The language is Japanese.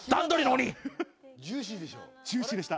ジューシーでした。